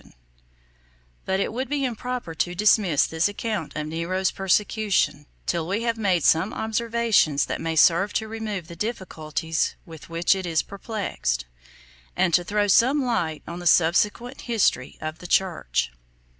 ] But it would be improper to dismiss this account of Nero's persecution, till we have made some observations that may serve to remove the difficulties with which it is perplexed, and to throw some light on the subsequent history of the church.